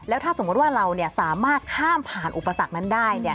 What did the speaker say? ถ้าสมมุติว่าเราสามารถข้ามผ่านอุปสรรคนั้นได้